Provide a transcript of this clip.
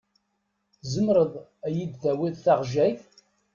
Tzemreḍ ad yid-tawiḍ taɣejayt?